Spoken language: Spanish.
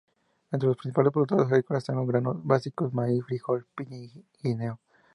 Entre los principales productos agrícolas están los granos básicos, maíz, frijol, piña y guineo.